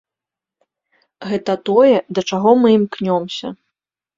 Гэта тое, да чаго мы імкнёмся.